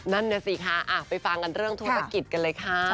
นั่นน่ะสิคะไปฟังกันเรื่องธุรกิจกันเลยค่ะ